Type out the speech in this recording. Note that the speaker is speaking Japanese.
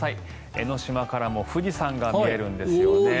江の島からも富士山が見えるんですよね。